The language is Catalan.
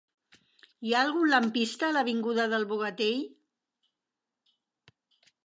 Hi ha algun lampista a l'avinguda del Bogatell?